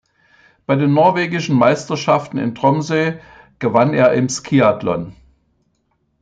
Bei den norwegischen Meisterschaften in Tromsø gewann er im Skiathlon.